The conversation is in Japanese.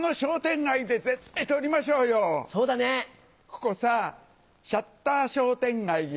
ここさシャッター商店街よ。